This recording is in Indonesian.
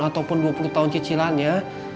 ataupun dua puluh tahun cicilannya